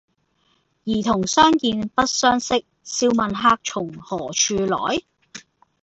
兒童相見不相識，笑問客從何處來？